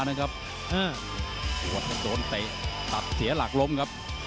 บางร้อนบอกว่านอกเป็นของนายครับแต่ในเป็นของฉันอ้าวเดี๋ยวดูยก๓นะครับ